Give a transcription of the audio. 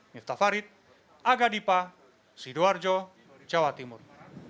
miftah farid aga dipa sidoarjo jawa timur